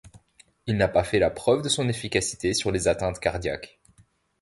Il n'a pas fait la preuve de son efficacité sur les atteintes cardiaques.